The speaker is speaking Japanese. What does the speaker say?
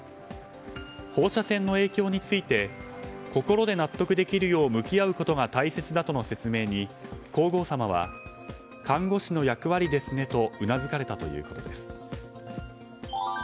放射線の影響について心で納得できるよう向き合うことが大切だとの説明に、皇后さまは看護師の役割ですねとうなずかれたということです。